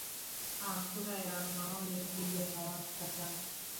aah kura ya maoni ipigwe hawakutakaa